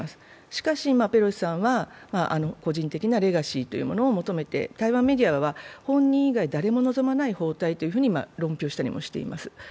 しかし、ペロシさんは個人的なレガシーというのを求めて台湾メディアは、本人以外誰も望まない訪台と、論評したりもしています。